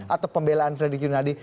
atau pembelaan fredy kudinadi